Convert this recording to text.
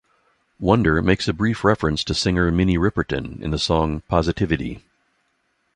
Wonder makes a brief reference to singer Minnie Riperton in the song "Positivity".